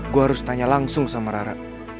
gue harus tanya langsung sama rara